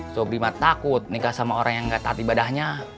sobrima takut nikah sama orang yang gak taat ibadahnya